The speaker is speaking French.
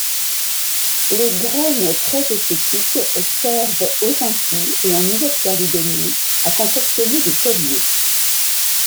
Les graines très esthétiques servent aux Antilles et en Nouvelle-Calédonie à confectionner des colliers.